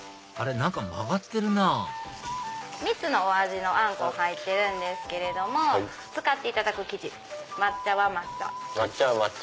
何か曲がってるなぁ３つのお味のあんこ入ってるんですけれども使っていただく生地抹茶は抹茶。